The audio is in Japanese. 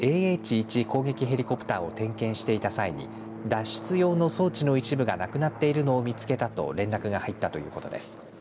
１攻撃ヘリコプターを点検していた際に脱出用の装置の一部がなくなっているのを見つけたと連絡が入ったということです。